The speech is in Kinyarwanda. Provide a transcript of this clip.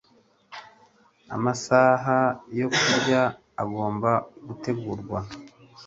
Amasaha yo kurya agomba gutegurwa